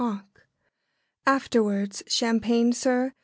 ] Afterwards "champagne, sir?"